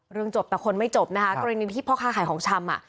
เรื่องจบแต่คนไม่จบนะคะกรณีที่พ่อค้าขายของชำอ่ะ